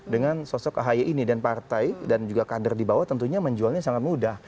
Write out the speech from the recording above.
dengan sosok ahy ini dan partai dan juga kader di bawah tentunya menjualnya sangat mudah